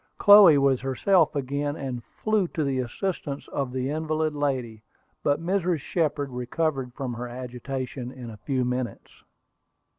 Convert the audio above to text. Chloe was herself again, and flew to the assistance of the invalid lady. But Mrs. Shepard recovered from her agitation in a few minutes.